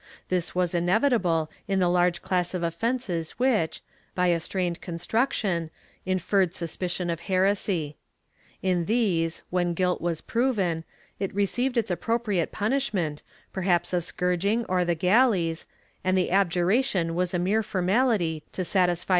This was inevitable in the large class of offences which, by a strained construction, inferred suspicion of heresy. In these, when guilt was proven, it received its appropriate punishment, perhaps of scourging or the galleys, and the abjuration was a mere formality to satisfy • Bibl.